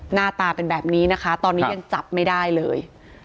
หน้าตาเป็นแบบนี้นะคะตอนนี้ยังจับไม่ได้เลย